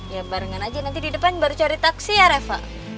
ya barengan aja nanti di depan baru cari taksi ya reva